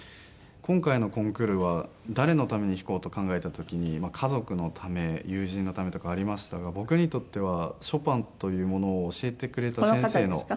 今回のコンクールは誰のために弾こうと考えた時に家族のため友人のためとかありましたが僕にとってはショパンというものを教えてくれた先生の。